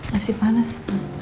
masih panas sekali